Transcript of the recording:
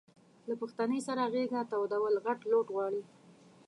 له پښتنې سره غېږه تودول غټ لوټ غواړي.